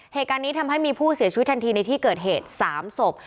เหตุการณ์นี้ทำให้มีผู้เสียชีวิตทันทีในที่เกิดเหตุ๓ศพ